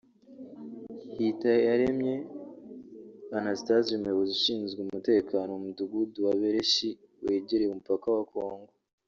Hitiyaremye Anastase umuyobozi ushinzwe umutekano mu mudugudu wa Bereshi wegereye umupaka wa Kongo